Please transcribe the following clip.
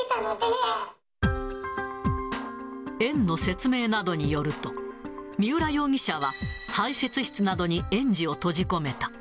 園の説明などによると、三浦容疑者は、排せつ室などに園児を閉じ込めた。